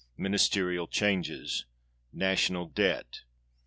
Ministerial changes. National Debt.